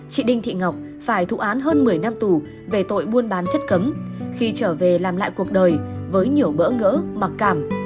chị đinh thị ngọc phải thụ án hơn một mươi năm tù về tội buôn bán chất cấm khi trở về làm lại cuộc đời với nhiều bỡ ngỡ mặc cảm